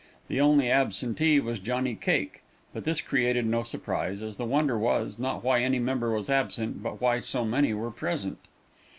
The only absentee was Johnny Cake, but this created no surprise, as the wonder was, not why any member was absent, but why so many were present.